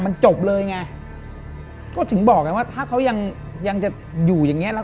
มันเป็นกรรม